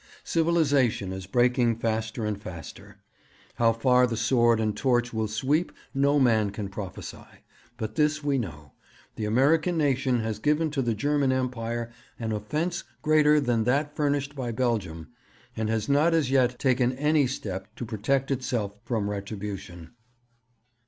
Civilization is breaking faster and faster. How far the sword and torch will sweep no man can prophesy, but this we know the American nation has given to the German Empire an offence greater than that furnished by Belgium, and has not as yet taken any step to protect itself from retribution.'